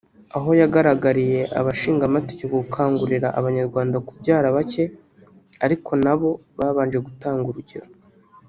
aho yahamagariye abashingamategeko gukangurira Abanyarwanda kubyara bake ariko nabo babanje gutanga urugero